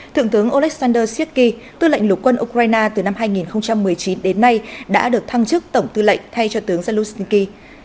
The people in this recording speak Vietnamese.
thượng tướng oleksandr shcheky tư lệnh lục quân ukraine từ năm hai nghìn một mươi chín đến nay đã được thăng chức tổng tư lệnh thay cho tướng zelenskyy